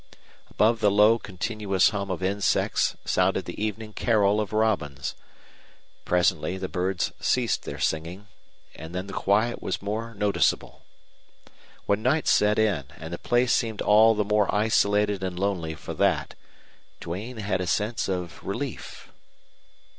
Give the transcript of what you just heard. Above the low continuous hum of insects sounded the evening carol of robins. Presently the birds ceased their singing, and then the quiet was more noticeable. When night set in and the place seemed all the more isolated and lonely for that Duane had a sense of relief.